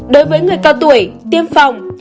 đối với người cao tuổi tiêm phòng